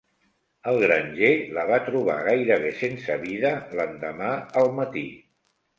El granger la va trobar gairebé sense vida l'endemà al matí.